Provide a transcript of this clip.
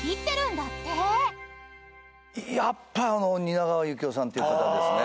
やっぱ蜷川幸雄さんっていう方ですね。